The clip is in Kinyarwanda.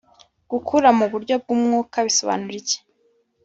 Gukura mu buryo bw umwuka bisobanura iki ?